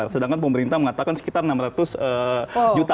sedangkan pemerintah mengatakan sekitar enam ratus juta